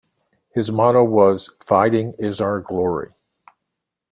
His motto was: ""Fighting is our glory!